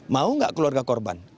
mau nggak keluarga korban